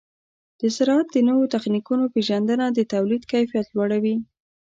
د زراعت د نوو تخنیکونو پیژندنه د تولید کیفیت لوړوي.